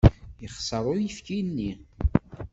Yexṣer uyefki-nni.